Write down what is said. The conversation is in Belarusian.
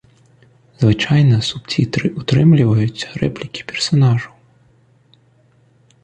Звычайна субцітры ўтрымліваюць рэплікі персанажаў.